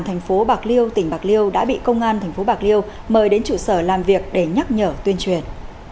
theo bộ chủ tịch ubnd tp biên hòa tỉnh bạc liêu đã bị công an tp bạc liêu mời đến trụ sở làm việc để nhắc nhở tuyên truyền